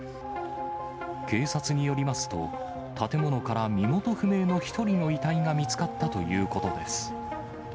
警察によりますと、建物から身元不明の１人の遺体が見つかったということです。